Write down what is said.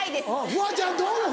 フワちゃんどう思う？